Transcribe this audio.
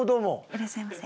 いらっしゃいませ。